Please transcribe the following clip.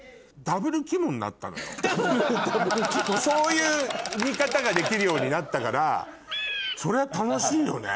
そういう見方ができるようになったからそれは楽しいよね。